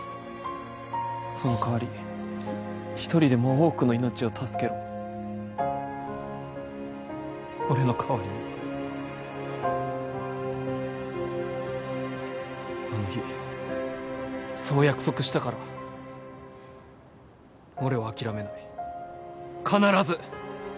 その代わり一人でも多くの命を助けろ俺の代わりにあの日そう約束したから俺は諦めない必ず！